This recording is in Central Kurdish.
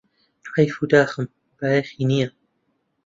حەیفه و داخەکەم بایەخی نییە